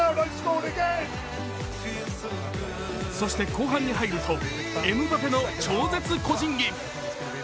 そして後半に入ると、エムバペの超絶個人技。